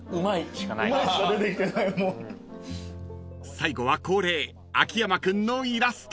［最後は恒例秋山君のイラスト］